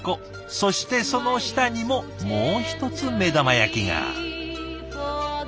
そしてその下にももう一つ目玉焼きが。